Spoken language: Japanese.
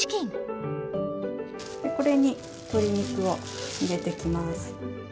これに鶏肉を入れていきます。